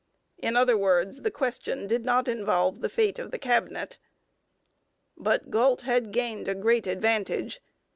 In other words, the question did not involve the fate of the Cabinet. But Galt had gained a great advantage.